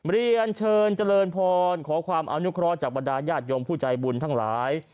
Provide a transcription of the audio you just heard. เรียนเชิญเจริญพรขอความอนุเคราะห์จากบรรดาญาติโยมผู้ใจบุญทั้งหลาย